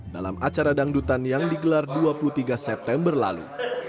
dalam acara dangdutan yang digelar dua puluh tiga september lalu